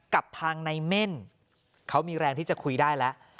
กับทางในเม่นเขามีแรงที่จะคุยได้แล้ว